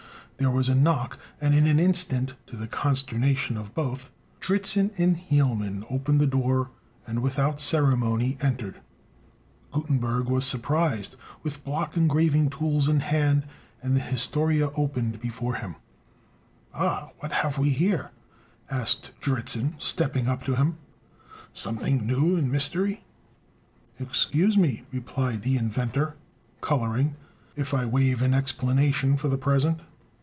There was a knock; and, in an instant, to the consternation of both, Dritzhn and Hielman opened the door, and, without ceremony, entered. Gutenberg was surprised with block and graving tools in hand, and the "Historia" open before him. "Ah! what have we here?" asked Dritzhn, stepping up to him; "something new in mystery?" "Excuse me," replied the inventor, coloring, "if I waive an explanation for the present."